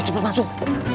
ayo cepet masuk